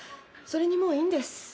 「それにもういいんです」